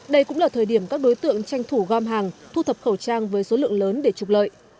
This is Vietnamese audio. đây cũng là thời điểm các đối tượng tranh thủ gom hàng thu thập khẩu trang với số lượng lớn để trục lợi